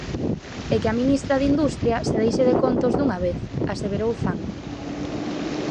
E que a ministra de Industria se deixe de contos dunha vez, aseverou Zan.